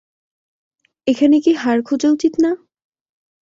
এখানে কি হাড় খোঁজা উচিত না?